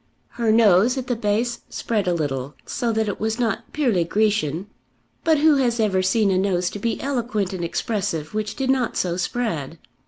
Her nose at the base spread a little, so that it was not purely Grecian. But who has ever seen a nose to be eloquent and expressive, which did not so spread?